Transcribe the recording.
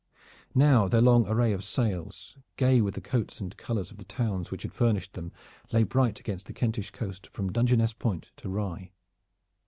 Now their long array of sails, gay with the coats and colors of the towns which had furnished them, lay bright against the Kentish coast from Dungeness Point to Rye.